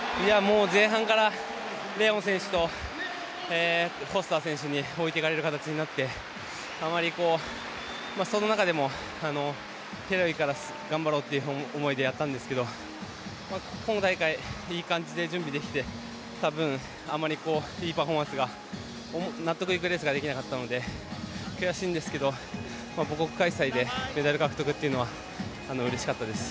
前半からレオン選手とフォスター選手に置いて行かれる形になってあまり、その中でも平泳ぎから頑張ろうという思いでやったんですけど今大会いい感じで準備できていた分あまりいいパフォーマンスが納得いくレースができなかったので悔しいんですけど母国開催でメダル獲得というのはうれしかったです。